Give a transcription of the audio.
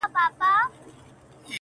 مخ يې واړاوه يو ځل د قاضي لور ته٫